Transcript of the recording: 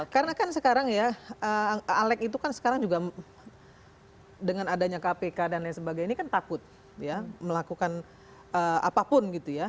karena kan sekarang ya alec itu kan sekarang juga dengan adanya kpk dan lain sebagainya ini kan takut ya melakukan apapun gitu ya